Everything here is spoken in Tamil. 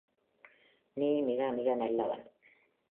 நீ மிக மிக நல்லவன்.